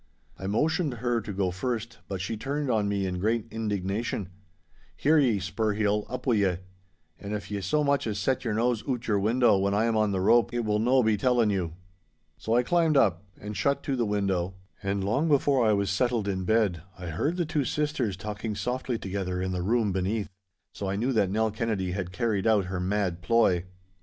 I motioned her to go first, but she turned on me in great indignation. 'Hear ye, Spurheel, up wi' ye! And if ye so much as set your nose oot o' your window when I am on the rope, it will no be telling you.' So I climbed up and shut to the window, and long before I was settled in bed I heard the two sisters talking softly together in the room beneath. So I knew that Nell Kennedy had carried out her mad ploy.